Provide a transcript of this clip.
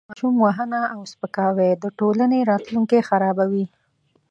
د ماشوم وهنه او سپکاوی د ټولنې راتلونکی خرابوي.